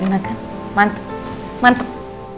enak kan mantep mantep